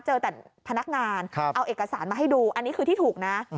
เจอแต่พนักงานเอาเอกสารมาให้ดูอันนี้คือที่ถูกนะ